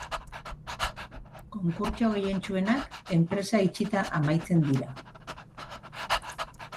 Konkurtso gehientsuenak enpresa itxita amaitzen dira.